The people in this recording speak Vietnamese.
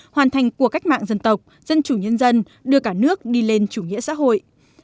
hoàn thành cuộc cách mạng dân tộc dân chủ nhân dân đưa cả nước đi lên chủ nghĩa xã hội